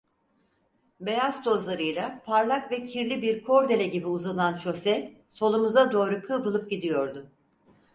Beyaz tozlarıyla parlak ve kirli bir kordele gibi uzanan şose solumuza doğru kıvrılıp gidiyordu.